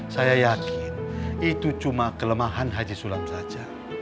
saya yakin itu cuma kelemahan haji sulam saja